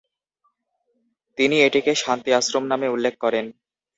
তিনি এটিকে শান্তি আশ্রম নামে উল্লেখ করেন।